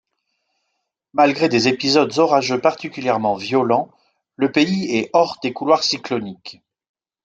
Malgré des épisodes orageux particulièrement violents le pays est hors des couloirs cycloniques.